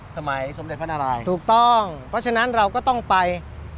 สมัยสมเด็จพระนารายถูกต้องเพราะฉะนั้นเราก็ต้องไป